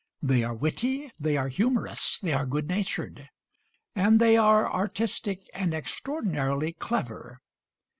They are witty; they are humorous; they are good natured; and they are artistic and extraordinarily clever.